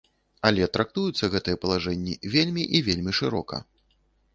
Але трактуюцца гэтыя палажэнні вельмі і вельмі шырока.